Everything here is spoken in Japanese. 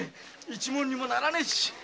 一文にもならねぇし。